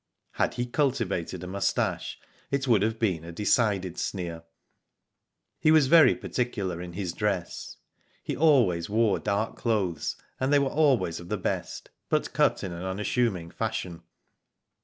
Had he cultivated a moustache, it would have been a decided sneer. He was very particular in his dress. He always wore dark clothes, and they were always of the best, but cut in an ' unassuming fashion.